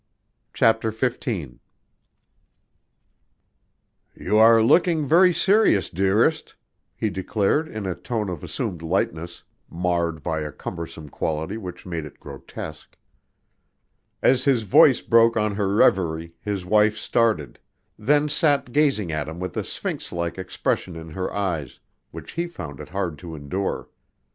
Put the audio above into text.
CHAPTER XV "You are looking very serious, dearest," he declared in a tone of assumed lightness, marred by a cumbersome quality which made it grotesque. As his voice broke on her reverie, his wife started, then sat gazing at him with a sphinx like expression in her eyes, which he found it hard to endure.